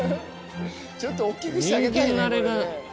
ちょっと大っきくしてあげたいね。